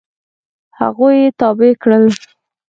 هغوی یې تابع کړل.